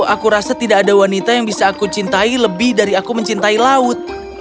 aku rasa tidak ada wanita yang bisa aku cintai lebih dari aku mencintai laut